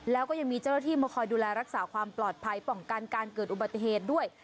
แล้วก็ยังมีเจ้าหน้าที่มาคอยดูแลรักษาความปลอดภัยป้องกันการเกิดอุบัติเหตุด้วย